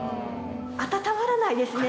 暖まらないですね。